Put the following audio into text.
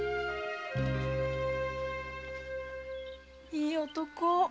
いい男。